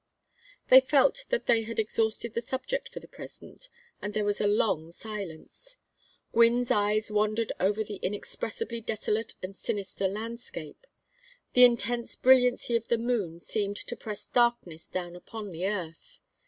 They felt that they had exhausted the subject for the present and there was a long silence. Gwynne's eyes wandered over the inexpressibly desolate and sinister landscape. The intense brilliancy of the moon seemed to press darkness down upon the earth.